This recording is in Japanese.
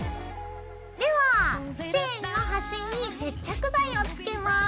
ではチェーンのはしに接着剤をつけます。